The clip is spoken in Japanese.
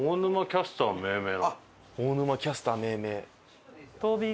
キャスター命名。